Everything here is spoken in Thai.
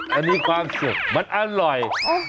มันมีความสุขมันอร่อย